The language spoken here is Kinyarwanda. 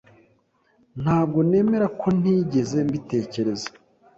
Ntabwo nemera ko ntigeze mbitekereza.